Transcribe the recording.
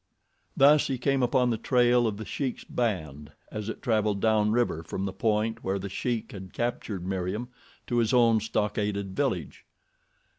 Thus he came upon the trail of The Sheik's band as it traveled down river from the point where The Sheik had captured Meriem to his own stockaded village.